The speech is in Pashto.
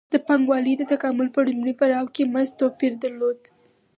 د پانګوالۍ د تکامل په لومړي پړاو کې مزد توپیر درلود